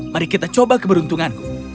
mari kita coba keberuntunganku